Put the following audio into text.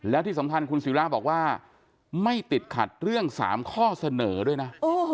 และที่สำคัญคุณศิราบอกว่าไม่ติดขัดเรื่อง๓ข้อเสนอด้วยนะ